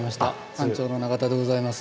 館長の永田でございます。